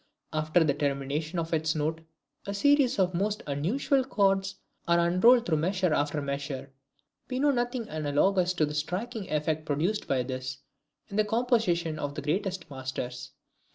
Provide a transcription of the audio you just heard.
After the termination of this note, a series of the most unusual chords are unrolled through measure after measure. We know nothing analogous, to the striking effect produced by this, in the compositions of the greatest masters.